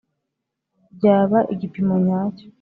byaba igipimo nyacyo,